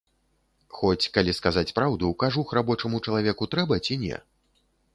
Хоць, калі сказаць праўду, кажух рабочаму чалавеку трэба ці не?